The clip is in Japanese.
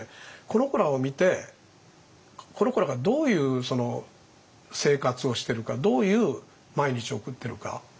この子らを見てこの子らがどういう生活をしてるかどういう毎日を送ってるか。